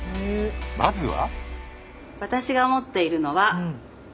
まずは。